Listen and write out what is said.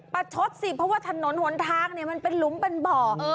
ปะชดสิเพราะว่าถนนหวนถ้างี้มันเป็นรุมเป็นหม่อ